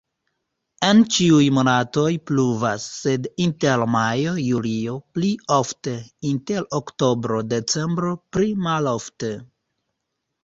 En ĉiuj monatoj pluvas, sed inter majo-julio pli ofte, inter oktobro-decembro pli malofte.